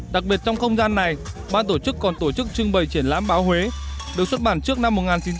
đặc biệt trong không gian này ban tổ chức còn tổ chức trưng bày triển lãm báo huế được xuất bản trước năm một nghìn chín trăm bảy mươi